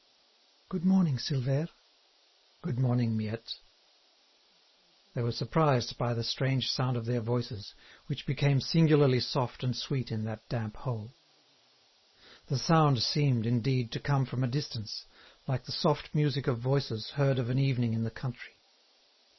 "Good morning, Silvère." "Good morning, Miette." They were surprised by the strange sound of their voices, which became singularly soft and sweet in that damp hole. The sound seemed, indeed, to come from a distance, like the soft music of voices heard of an evening in the country.